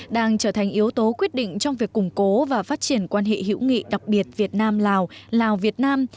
đang trở thành yếu tố quyết định trong việc củng cố và phát triển quan hệ hữu nghị đặc biệt việt nam lào lào việt nam